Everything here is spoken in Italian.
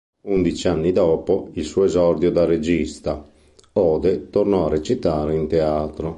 Undici anni dopo il suo esordio da regista, Ode tornò a recitare in teatro.